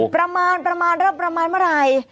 ประมาณแล้วประมาณเมื่อไหร่